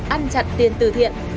ăn chặt tiền từ thiện